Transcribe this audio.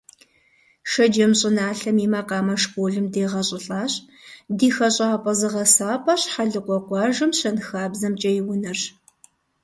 Шэджэм щӀыналъэм и макъамэ школым дегъэщӀылӀащ, ди хэщӀапӀэ-зыгъэсапӀэр Щхьэлыкъуэ къуажэм ЩэнхабзэмкӀэ и унэрщ.